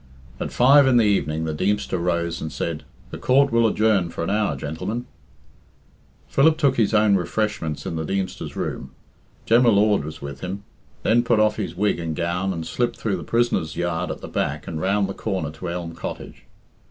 At five in the evening the Deemster rose and said, "The Court will adjourn for an hour, gentlemen." Philip took his own refreshments in the Deemster's room Jem y Lord was with him then put off his wig and gown, and slipped through the prisoners' yard at the back and round the corner to Elm Cottage.